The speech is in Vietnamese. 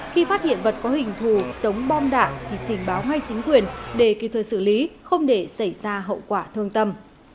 khi phát hiện vật có hình thù giống bom đạn thì trình báo ngay chính quyền để kỹ thuật xử lý không để xảy ra hậu quả thương tâm